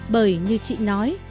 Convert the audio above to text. bởi như chị nói